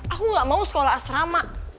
aku gak mau sekolah asrama